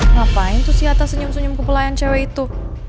ngapain tuh si atta senyum senyum kepelayan cewek itu